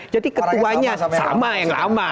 jadi ketuanya sama yang lama